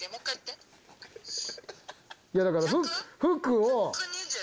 いやだから服を。